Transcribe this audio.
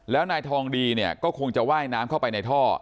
แล้วนายทองดีเนี่ยก็คงจะว่ายน้ำเข้าไปในท่อ